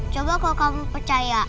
coba kalau kamu percaya